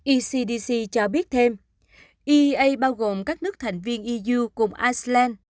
ecdc cho biết thêm ea bao gồm các nước thành viên eu cùng iceland